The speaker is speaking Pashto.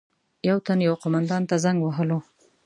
یو تن یو قومندان ته زنګ وهلو.